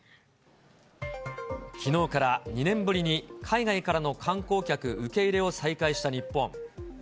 きのうから２年ぶりに海外からの観光客受け入れを再開した日本。